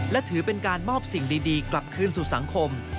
และถือเป็นการมอบสิ่งดีกลับคืนสู่สังคม